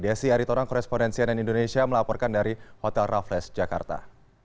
desi aritorang korespondensi ann indonesia melaporkan dari hotel raffles jakarta